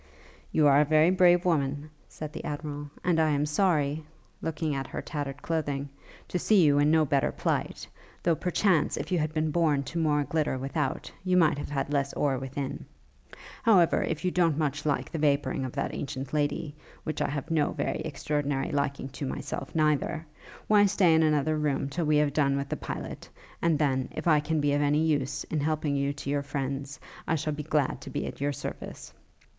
'You are a very brave woman,' said the Admiral, 'and I am sorry,' looking at her tattered clothing, 'to see you in no better plight: though, perchance, if you had been born to more glitter without, you might have had less ore within. However, if you don't much like the vapouring of that ancient lady, which I have no very extraordinary liking to myself, neither, why stay in another room till we have done with the pilot; and then, if I can be of any use in helping you to your friends, I shall be glad to be at your service.